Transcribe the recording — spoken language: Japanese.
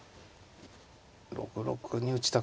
６六に打ちたくはない。